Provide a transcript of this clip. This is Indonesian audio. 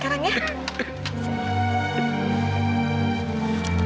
kita selalu takutin bu